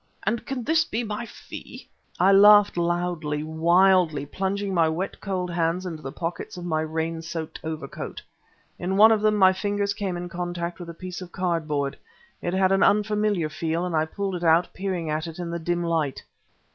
And can this be my fee? ..." I laughed loudly, wildly, plunging my wet, cold hands into the pockets of my rain soaked overcoat. In one of them, my fingers came in contact with a piece of cardboard. It had an unfamiliar feel, and I pulled it out, peering at it in the dim light.